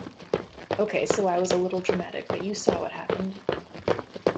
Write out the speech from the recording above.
Ok, so I was a little dramatic, but you saw what happened!